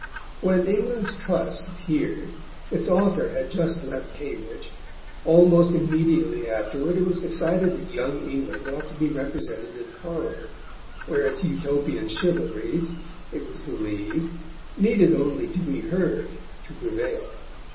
When England's Trust appeared, its author had just left Cambridge. Almost immediately afterward, it was decided that Young England ought to be represented in Parliament, where its Utopian chivalries, it was believed, needed only to be heard to prevail.